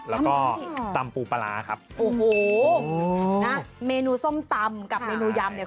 แล้วก็ตำปูปลาร้าครับโอ้โหนะเมนูส้มตำกับเมนูยำเนี่ย